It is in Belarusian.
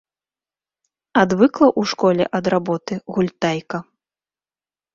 Адвыкла ў школе ад работы, гультайка.